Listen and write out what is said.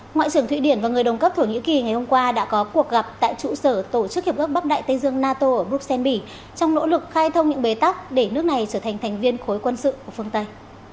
ngoại trưởng thụy điển và người đồng cấp thổ nhĩ kỳ ngày hôm qua đã có cuộc gặp tại trụ sở tổ chức hiệp ước bắc đại tây dương nato ở bruxelles bỉ trong nỗ lực khai thông những bế tắc để nước này trở thành thành viên khối quân sự của phương tây